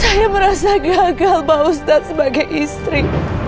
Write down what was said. saya merasa gagal pak ustadz sebagai istri